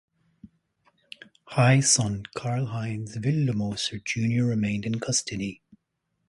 His son, Karl-Heinz Wildmoser, Junior remained in custody.